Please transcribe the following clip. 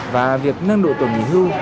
và việc nâng độ tuổi nghỉ hưu